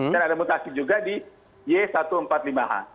dan ada mutasi juga di y satu empat lima h